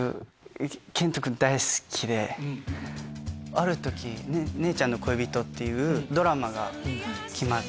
ある時『姉ちゃんの恋人』っていうドラマが決まって。